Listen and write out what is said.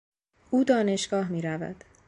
او دانشگاه میرود.